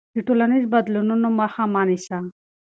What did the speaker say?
د ټولنیزو بدلونونو مخه مه نیسه.